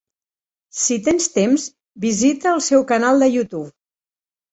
Si tens temps, visita el seu canal de YouTube.